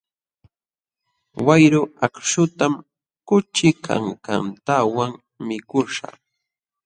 Wayru akśhutam kuchi kankantawan mikuśhaq.